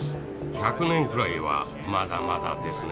１００年ぐらいはまだまだですね。